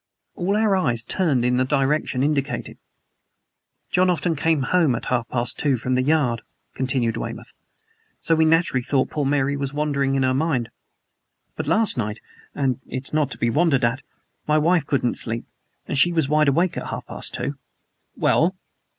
All our eyes turned in the direction indicated. "John often came home at half past two from the Yard," continued Weymouth; "so we naturally thought poor Mary was wandering in her mind. But last night and it's not to be wondered at my wife couldn't sleep, and she was wide awake at half past two." "Well?"